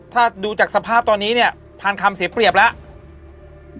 ถ้าดูจากสภาพตอนนี้เนี่ยพันคำเสียเปรียบแล้ว